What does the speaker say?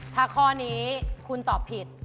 ถ้าข้อนี้คุณตอบผิด